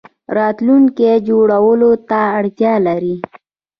راتلونکی جوړولو ته اړتیا لري